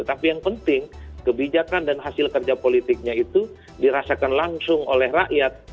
tapi yang penting kebijakan dan hasil kerja politiknya itu dirasakan langsung oleh rakyat